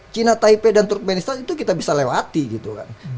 cina taipei dan turkmenistan itu kita bisa lewati gitu kan